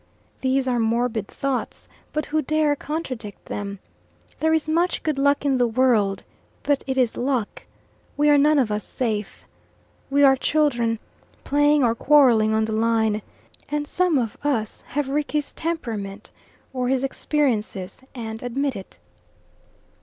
These are morbid thoughts, but who dare contradict them? There is much good luck in the world, but it is luck. We are none of us safe. We are children, playing or quarreling on the line, and some of us have Rickie's temperament, or his experiences, and admit it.